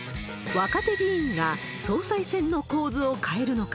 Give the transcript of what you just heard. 若手議員が総裁選の構図を変えるのか。